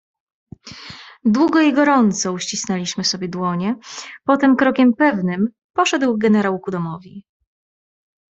"Długo i gorąco uścisnęliśmy sobie dłonie; potem krokiem pewnym poszedł generał ku domowi."